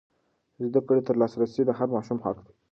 زده کړې ته لاسرسی د هر ماشوم حق دی.